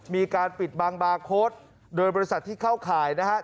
มีการปิดบังบาร์โค้ดโดยบริษัทที่เข้าข่ายนะฮะ